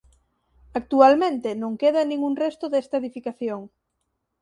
Actualmente non queda ningún resto desta edificación.